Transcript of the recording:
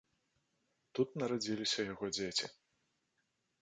Тут нарадзіліся яго дзеці.